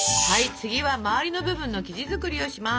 次は周りの部分の生地作りをします。